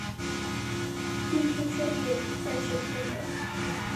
He contributed "Friendship Tango".